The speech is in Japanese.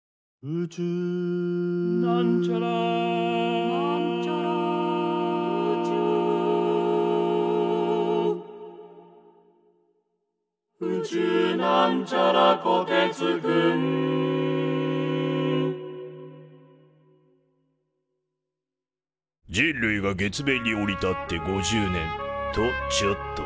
「宇宙」人類が月面に降り立って５０年。とちょっと！